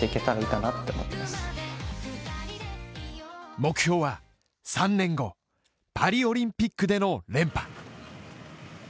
目標は３年後、パリオリンピックでの連覇。